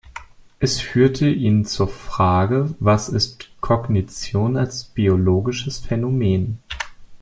Es führte ihn zur Frage: Was ist „Kognition“ als biologisches Phänomen?